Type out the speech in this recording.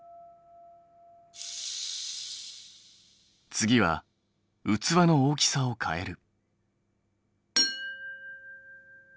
次は器の大きさを変える。